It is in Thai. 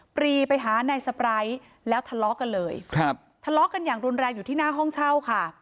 ปรีไปหานายสปร้ายแล้วทะเลาะกันเลยครับทะเลาะกันอย่างรุนแรงอยู่ที่หน้าห้องเช่าค่ะ